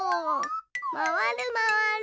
まわるまわる。